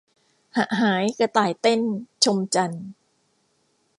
หะหายกระต่ายเต้น ชมจันทร์